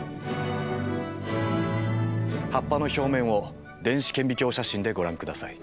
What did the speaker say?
葉っぱの表面を電子顕微鏡写真でご覧ください。